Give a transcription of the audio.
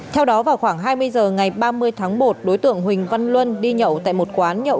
theo đó vào khoảng hai mươi h ngày ba mươi tháng một đối tượng huỳnh văn luân đi nhậu tại một quán nhậu